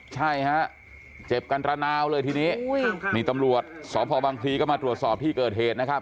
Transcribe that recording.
ใช่ฮะเจ็บกันระนาวเลยทีนี้นี่ตำรวจสพบังพลีก็มาตรวจสอบที่เกิดเหตุนะครับ